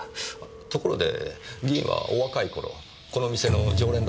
ところで議員はお若い頃この店の常連だったそうですね。